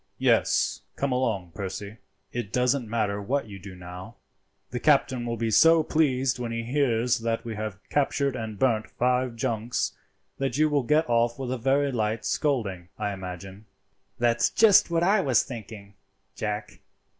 "Yes, come along, Percy. It doesn't matter what you do now. The captain will be so pleased when he hears that we have captured and burnt five junks, that you will get off with a very light scolding, I imagine." "That's just what I was thinking, Jack.